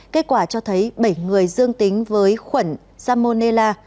kết quả cho thấy bảy người dương tính với khuẩn salmonella